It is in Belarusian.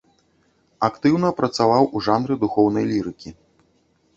Актыўна працаваў у жанры духоўнай лірыкі.